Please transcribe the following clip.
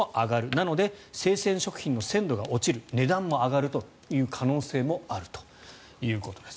なので、生鮮食品の鮮度が落ちる値段も上がる可能性もあるということです。